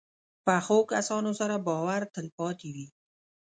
پخو کسانو سره باور تل پاتې وي